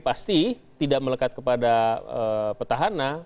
pasti tidak melekat kepada petahana